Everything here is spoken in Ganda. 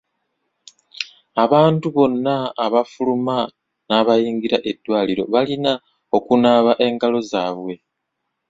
Abantu bonna abafuluma n'abayingira eddwaliro balina okunaaba engalo zaabwe.